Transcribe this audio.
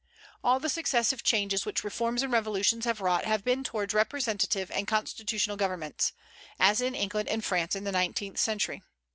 All the successive changes which reforms and revolutions have wrought have been towards representative and constitutional governments, as in England and France in the nineteenth century.